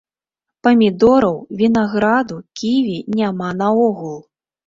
Памідораў, вінаграду, ківі няма наогул!